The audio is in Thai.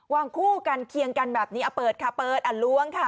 คู่กันเคียงกันแบบนี้เอาเปิดค่ะเปิดอ่ะล้วงค่ะ